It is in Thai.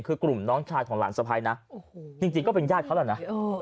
คือกลุ่มน้องชายของหลานสะพ้ายนะจริงก็เป็นญาติเขาแล้วนะ